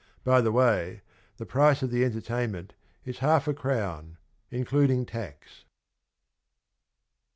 By the way, the price of the entertainment is half a crown, including tax.